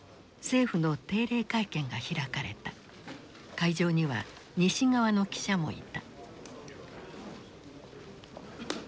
会場には西側の記者もいた。